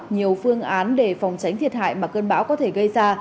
nhiều phương án để phòng tránh thiệt hại mà cơn bão có thể gây ra